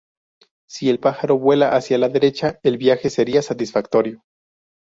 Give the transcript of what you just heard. Si el pájaro vuela hacia la derecha, el viaje sería satisfactorio.